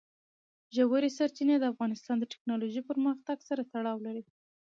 ژورې سرچینې د افغانستان د تکنالوژۍ پرمختګ سره تړاو لري.